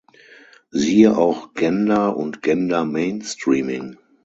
Siehe auch: Gender und Gender-Mainstreaming.